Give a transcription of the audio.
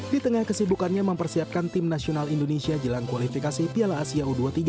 di tengah kesibukannya mempersiapkan tim nasional indonesia jelang kualifikasi piala asia u dua puluh tiga